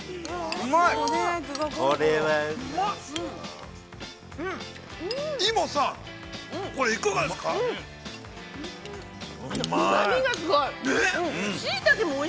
◆うまみがすごい。